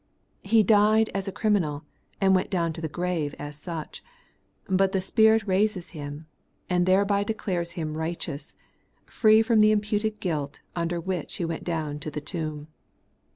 He died as a criminal, and went down to the grave as such ; but the Spirit raises Him, and thereby de clares Him righteous, free from the imputed guilt under which He went down to the tomb.